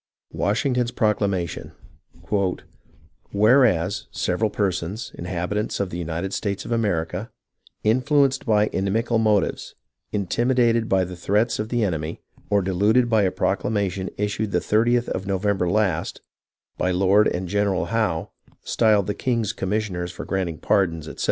Washington's proclamation " Whereas, several persons, inhabitants of the United States of America, influenced by inimical motives, intimi dated by the threats of the enemy, or deluded by a proc lamation issued the 30th of November last, by Lord and General Howe, styled the King's commissioners for grant ing pardons, etc.